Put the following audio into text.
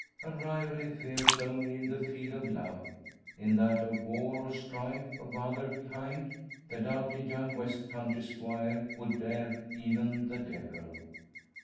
A rival he fears only in the field of love; in that of war or strife of other kind, the doughty young west country squire would dare even the devil.